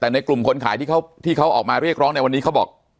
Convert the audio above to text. แต่ในกลุ่มคนขายที่เขาออกมาเรียกร้องในวันนี้เขาบอก